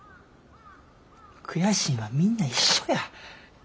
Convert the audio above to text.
悔しいのはみんな一緒や。